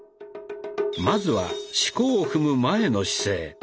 まずは四股を踏む前の姿勢